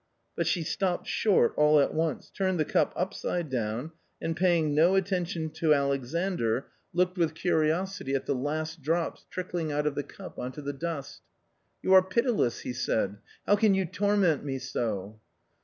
But she stopped short all at once, turned the cup upside down, and paying no attention to Alexandr, looked with A COMMON STORY 87 curiosity at the last drops trickling out of the cup on to the dust. " You are pitiless !" he said. " How can you torment me so?"